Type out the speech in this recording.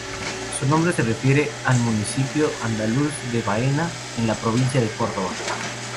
Su nombre se refiere al municipio andaluz de Baena, en la provincia de Córdoba.